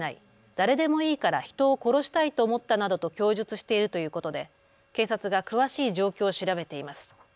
誰でもいいから人を殺したいと思ったなどと供述しているということで警察が詳しい状況を調べています。